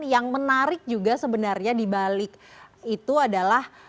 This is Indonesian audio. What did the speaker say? yang menarik juga sebenarnya dibalik itu adalah